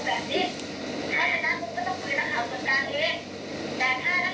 แต่ถ้านักข่าวลงข่าวผ้าดีคุณไม่ดี